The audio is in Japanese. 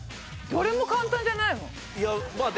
どれも簡単じゃないもん。